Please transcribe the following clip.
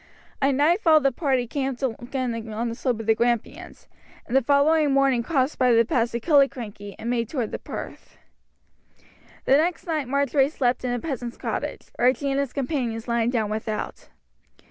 At nightfall the party camped again on the slope of the Grampians, and the following morning crossed by the pass of Killiecrankie and made toward Perth. The next night Marjory slept in a peasant's cottage, Archie and his companions lying down without.